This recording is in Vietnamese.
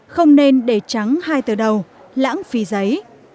không nên để trắng hai từ đầu lãng phí giấy